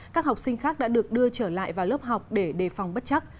các học sinh khác đã được đưa trở lại vào lớp học để đề phòng bất chắc